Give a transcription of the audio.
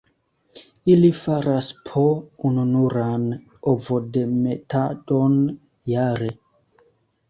Ili faras po ununuran ovodemetadon jare.